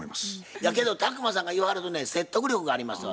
けど宅麻さんが言わはるとね説得力がありますわ。